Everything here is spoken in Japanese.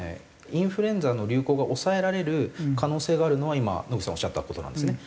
インフルエンザの流行が抑えられる可能性があるのは今野口さんおっしゃった事なんですね。